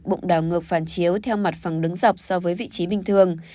bụng đào ngược phàn chiếu theo mặt phẳng đứng dọc so với vị trí bình thường